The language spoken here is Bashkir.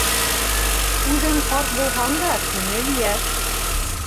Үҙең ҡарт булһаң да күңел йәш.